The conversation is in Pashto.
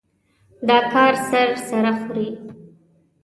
دا کار سر سره خوري.